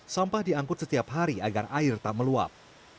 sampah diangkut setiap hari agar air tak meluap